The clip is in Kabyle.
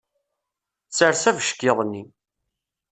Sers abeckiḍ-nni.